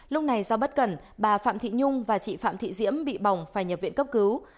lúc này do bất cẩn bà phạm thị nhung và chị phạm thị diễm bị bỏng phải nhập viện cấp cứu